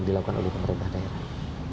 dilakukan oleh pemerintah daerah